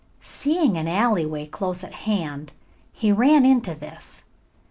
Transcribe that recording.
Seeing an alleyway close at hand, he ran into this.